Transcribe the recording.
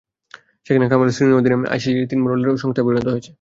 সেখানে কামাল বলেছেন, শ্রীনির অধীনে আইসিসি তিন মোড়লের সংস্থায় পরিণত হয়েছে।